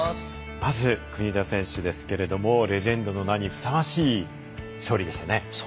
まず国枝選手ですけれどもレジェンドの名にふさわしい勝利でしたね。